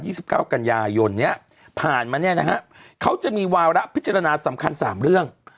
สิบเก้ากันยายนเนี้ยผ่านมาเนี้ยนะฮะเขาจะมีวาระพิจารณาสำคัญสามเรื่อง